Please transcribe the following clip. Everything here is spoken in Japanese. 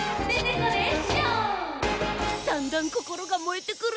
だんだんこころがもえてくる。